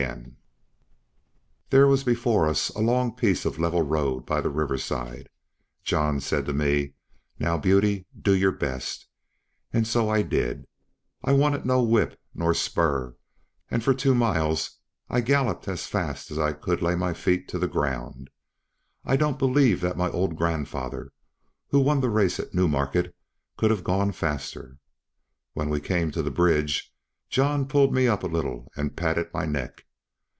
There was before us a long piece of level road by the river side; John said to me, "Now, Beauty, do your best," and so I did; I wanted no whip nor spur, and for two miles I galloped as fast I could lay my feet to the ground; I don't believe that my old grandfather, who won the race at Newmarket, could have gone faster. When we came to the bridge, John pulled me up a little and patted my neck.